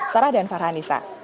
sarah dan farhanisa